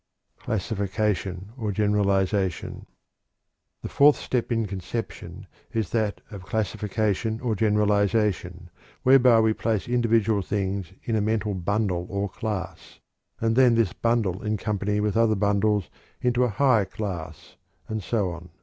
CLASSIFICATION OR GENERALIZATION. The fourth step in conception is that of classification or generalization, whereby we place individual things in a mental bundle or class, and then this bundle in company with other bundles into a higher class, and so on.